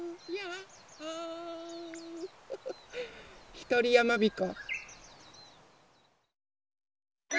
ひとりやまびこ。